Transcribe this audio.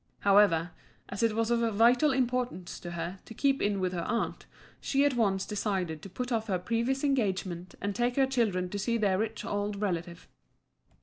However, as it was of vital importance to her to keep in with her aunt, she at once decided to put off her previous engagement and take her children to see their rich old relative.